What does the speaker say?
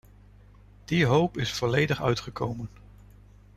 Die hoop is volledig uitgekomen.